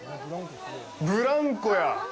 ブランコや。